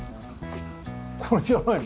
これじゃないの？